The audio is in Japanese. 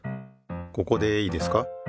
ここでいいですか。